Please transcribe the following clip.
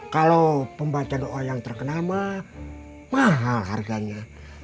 kalau pembaca doa yang terkena mahal harganya